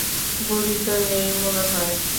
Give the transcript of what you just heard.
বুড়ি তো নেই মনেহয়।